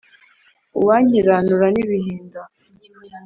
uwankiranura n’ibihinda,